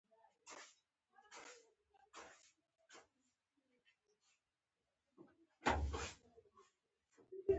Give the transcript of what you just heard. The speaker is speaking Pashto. الوتکه تل د هوا په مخالف جهت روانه وي.